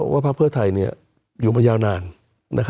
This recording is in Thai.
ภาคเพื่อไทยอยู่มายาวนาน